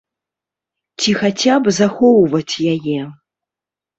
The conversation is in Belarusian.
Ці хаця б захоўваць яе.